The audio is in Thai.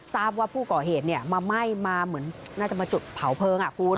ทราบว่าผู้ก่อเหตุมาไหม้มาเหมือนน่าจะมาจุดเผาเพลิงคุณ